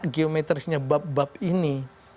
geometrisnya bab bab ini